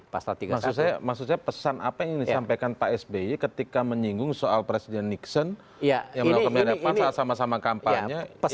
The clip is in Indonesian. maksud saya pesan apa yang disampaikan pak sby ketika menyinggung soal presiden nixon yang melakukannya pan saat sama sama kampanye